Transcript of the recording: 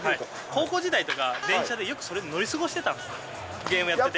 高校時代とか、電車で、よくそれで乗り過ごしてたんですよ、ゲームやってて。